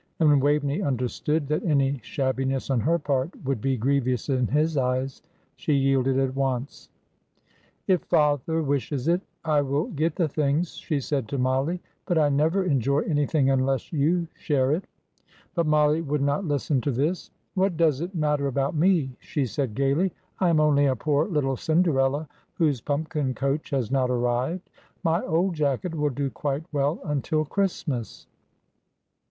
And when Waveney understood that any shabbiness on her part would be grievous in his eyes, she yielded at once. "If father wishes it I will get the things," she said to Mollie; "but I never enjoy anything unless you share it." But Mollie would not listen to this. "What does it matter about me?" she said, gaily. "I am only a poor little Cinderella whose pumpkin coach has not arrived. My old jacket will do quite well until Christmas."